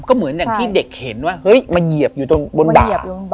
ก็เหมือนอย่างที่เด็กเห็นว่าเฮ้ยมาเหยียบอยู่ตรงบนบาย